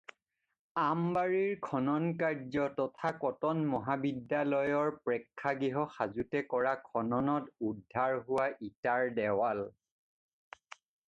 আমবাৰীৰ খননকাৰ্য তথা কটন মহাবিদ্যালয়ৰ প্ৰেক্ষাগৃহ সাজোঁতে কৰা খননত উদ্ধাৰ হোৱা ইটাৰ দেৱাল।